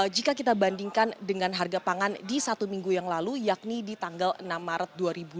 jika kita bandingkan dengan harga pangan di satu minggu yang lalu yakni di tanggal enam maret dua ribu dua puluh